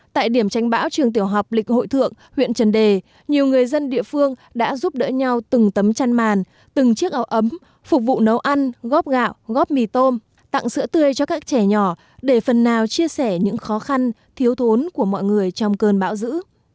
tại điểm tránh bão trường tiểu học lịch hội thượng huyện trần đề nhiều người dân địa phương đã giúp đỡ nhau từng tấm chăn màn từng chiếc áo ấm phục vụ nấu ăn góp gạo góp mì tôm tặng sữa tươi cho các trẻ nhỏ để phần nào chia sẻ những khó khăn thiếu thốn của mọi người trong cơn bão dữ